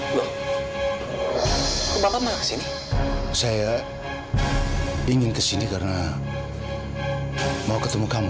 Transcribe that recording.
loh kebanyakan sini saya ingin kesini karena mau ketemu kamu